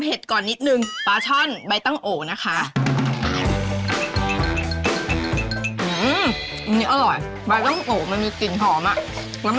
เผ็ดแบบตายไม่เอาความ